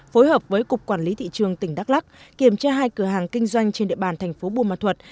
phối hợp với cục quản lý thị trường tỉnh đắk lắc kiểm tra hai cửa hàng kinh doanh trên địa bàn thành phố buôn ma thuật